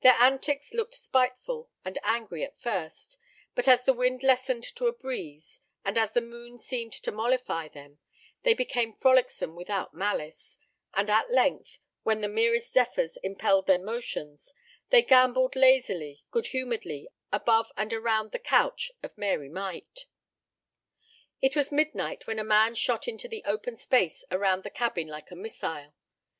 Their antics looked spiteful and angry at first: but as the wind lessened to a breeze, and as the moon seemed to mollify them, they became frolicsome without malice; and at length, when the merest zephyrs impelled their motions, they gambolled lazily, good humoredly above and around the couch of Mary Mite. It was midnight when a man shot into the open space around the cabin like a missile.